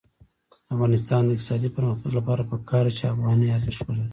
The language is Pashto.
د افغانستان د اقتصادي پرمختګ لپاره پکار ده چې افغانۍ ارزښت ولري.